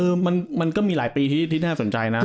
คือมันก็มีหลายปีที่น่าสนใจนะ